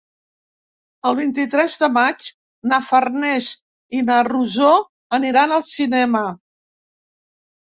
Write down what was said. El vint-i-tres de maig na Farners i na Rosó aniran al cinema.